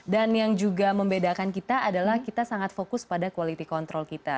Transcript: dan yang juga membedakan kita adalah kita sangat fokus pada quality control kita